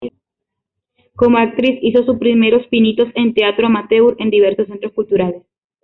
Como actriz, hizo sus primeros pinitos en teatro amateur en diversos centros culturales.